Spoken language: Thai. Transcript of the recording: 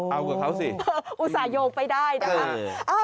เอาเกี่ยวกับเขาสิเอออุตส่ายโยคไปได้นะคะ